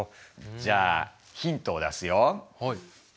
じゃあヒントを出すよ。